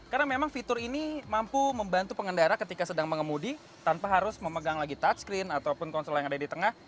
karena memang fitur ini mampu membantu pengendara ketika sedang pengemudi tanpa harus memegang lagi touchscreen ataupun konsol yang ada di tengah